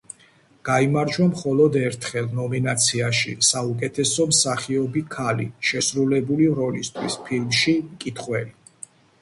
გაიმარჯვა მხოლოდ ერთხელ ნომინაციაში საუკეთესო მსახიობი ქალი შესრულებული როლისთვის ფილმში „მკითხველი“.